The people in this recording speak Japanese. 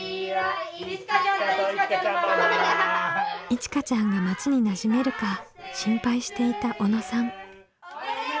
いちかちゃんが町になじめるか心配していた小野さん。